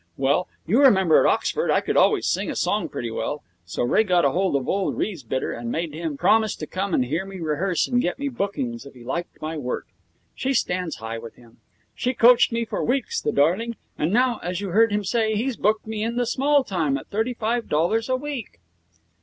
Well, you remember at Oxford I could always sing a song pretty well; so Ray got hold of old Riesbitter and made him promise to come and hear me rehearse and get me bookings if he liked my work. She stands high with him. She coached me for weeks, the darling. And now, as you heard him say, he's booked me in the small time at thirty five dollars a week.'